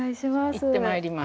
行ってまいります。